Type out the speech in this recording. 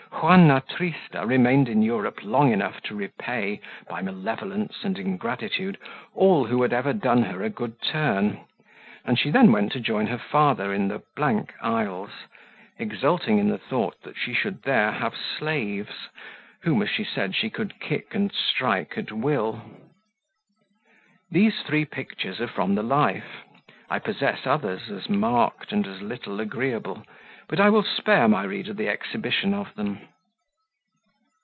Juanna Trista remained in Europe long enough to repay, by malevolence and ingratitude, all who had ever done her a good turn; and she then went to join her father in the Isles, exulting in the thought that she should there have slaves, whom, as she said, she could kick and strike at will. These three pictures are from the life. I possess others, as marked and as little agreeable, but I will spare my reader the exhibition of them.